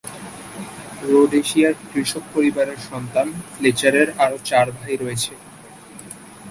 রোডেশিয়ার কৃষক পরিবারের সন্তান ফ্লেচারের আরও চার ভাই রয়েছে।